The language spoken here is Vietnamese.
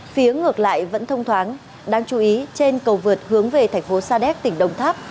phía ngược lại vẫn thông thoáng đáng chú ý trên cầu vượt hướng về thành phố sa đéc tỉnh đồng tháp